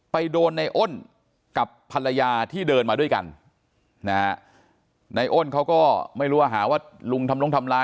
ไปโดนในอ้นกับภรรยาที่เดินมาด้วยกันนะฮะในอ้นเขาก็ไม่รู้ว่าหาว่าลุงทำลงทำร้าย